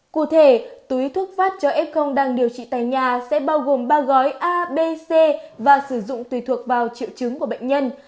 cụ thể túi thuốc phát cho f đang điều trị tại nhà sẽ bao gồm ba gói abc và sử dụng tùy thuộc vào triệu chứng của bệnh nhân